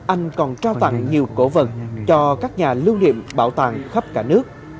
anh còn trao tặng nhiều cổ vật cho các nhà lưu niệm bảo tàng khắp cả nước